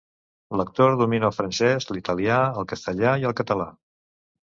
L'actor domina el francès, l'italià, el castellà i el català.